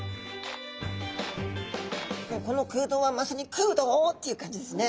もうこの空洞はまさに「食うどう！」っていう感じですね。